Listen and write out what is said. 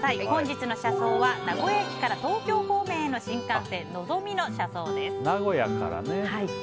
本日の車窓は名古屋駅から東京方面への新幹線「のぞみ」の車窓です。